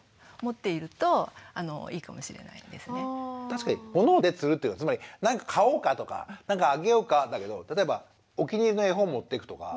確かにモノで釣るっていうのつまり何か買おうかとか何かあげようかだけど例えばお気に入りの絵本を持っていくとか。